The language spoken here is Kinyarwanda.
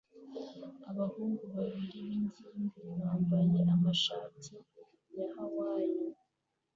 Abahungu babiri b'ingimbi bambaye amashati ya Hawayi